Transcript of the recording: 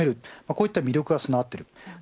こういう魅力が備わっています。